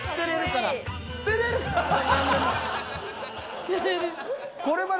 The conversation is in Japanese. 「捨てれる」。